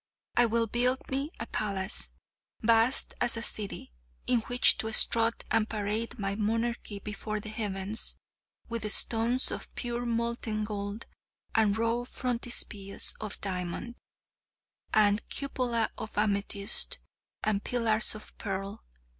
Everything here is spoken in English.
I will build me a palace, vast as a city, in which to strut and parade my Monarchy before the Heavens, with stones of pure molten gold, and rough frontispiece of diamond, and cupola of amethyst, and pillars of pearl.